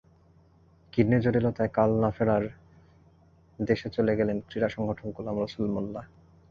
Kidney জটিলতায় কাল না-ফেরার দেশে চলে গেলেন ক্রীড়া সংগঠক গোলাম রসুল মোল্লা।